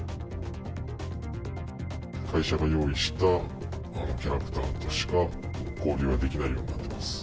会社が用意したキャラクターとしか交流ができないようになります。